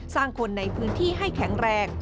คนในพื้นที่ให้แข็งแรง